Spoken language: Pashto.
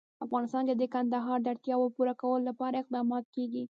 په افغانستان کې د کندهار د اړتیاوو پوره کولو لپاره اقدامات کېږي.